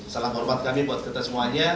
salam hormat kami buat kita semuanya